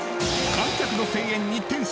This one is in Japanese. ［観客の声援に］